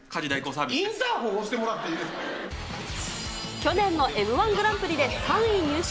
インターホン押してもらって去年のＭー１グランプリで３位入賞。